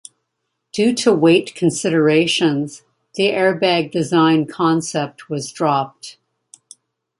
Due to weight considerations, the airbag design concept was dropped.